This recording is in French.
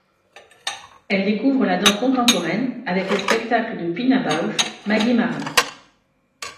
Elle découvre la danse contemporaine avec les spectacles de Pina Bausch, Maguy Marin.